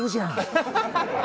ハハハハ！